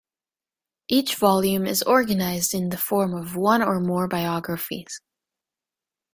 Each volume is organised in the form of one or more biographies.